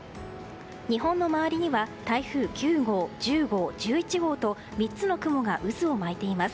日本の周りには台風９号、１０号、１１号と３つの雲が渦を巻いています。